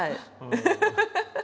フフフフ！